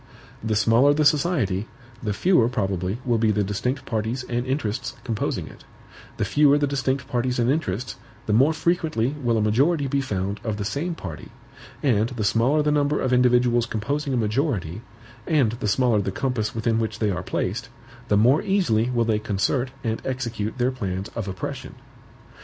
The smaller the society, the fewer probably will be the distinct parties and interests composing it; the fewer the distinct parties and interests, the more frequently will a majority be found of the same party; and the smaller the number of individuals composing a majority, and the smaller the compass within which they are placed, the more easily will they concert and execute their plans of oppression.